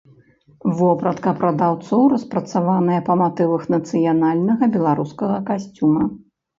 Вопратка прадаўцоў распрацаваная па матывах нацыянальнага беларускага касцюма.